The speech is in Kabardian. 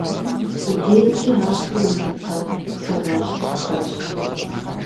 Ди дежкӏэ ахэр удзыпэ псыгъуэжь цӏыкӏухэщ.